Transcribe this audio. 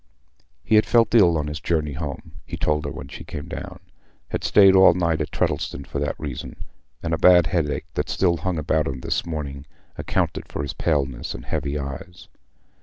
He had felt ill on his journey home—he told her when she came down—had stayed all night at Tredddleston for that reason; and a bad headache, that still hung about him this morning, accounted for his paleness and heavy eyes.